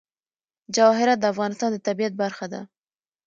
جواهرات د افغانستان د طبیعت برخه ده.